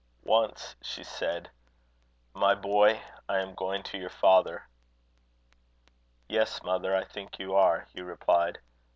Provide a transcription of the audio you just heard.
Once she said: "My boy, I am going to your father." "Yes, mother, I think you are," Hugh replied.